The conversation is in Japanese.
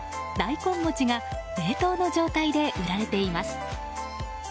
大根餅が冷凍の状態で売られています。